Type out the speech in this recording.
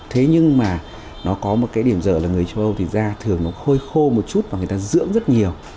thế nhưng mà nó có một cái điểm dở là người châu âu thì da thường nó hơi khô một chút và người ta dưỡng rất nhiều